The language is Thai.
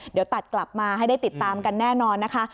เดี๋ยวตัดกลับมาให้ได้ติดตามกันแน่นอนนะคะ